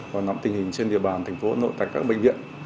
còn nằm tình hình trên địa bàn tp hà nội tại các bệnh viện